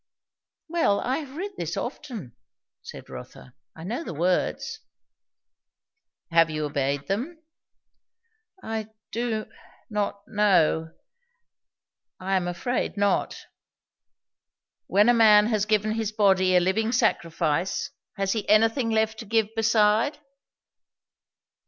"Well. I have read this often," said Rotha. "I know the words." "Have you obeyed them?" "I do not know. I am afraid, not." "When a man has given his body a living sacrifice, has he anything left to give beside?"